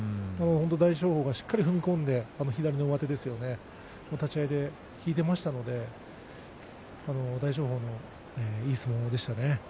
大翔鵬がしっかり踏み込んで左の上手立ち合いで引いていましたので大翔鵬のいい相撲でしたね。